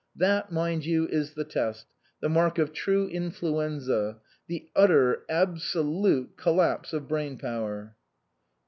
"That, mind you, is the test, the mark of true influenza the ut ter, absoZufe collapse of brain power."